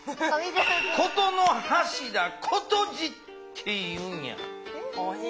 箏の柱「箏柱」っていうんや。